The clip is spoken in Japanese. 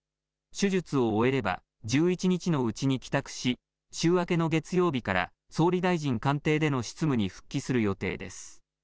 手術を終えれば１１日のうちに帰宅し週明けの月曜日から総理大臣官邸での執務に復帰する予定です。